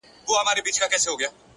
مثبت لیدلوری نیمه حل لاره ده,